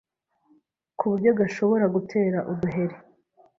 ku buryo gashobora gutera uduheri